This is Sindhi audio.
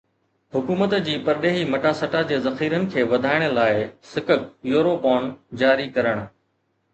حڪومت جي پرڏيهي مٽاسٽا جي ذخيرن کي وڌائڻ لاءِ سکڪ يورو بانڊز جاري ڪرڻ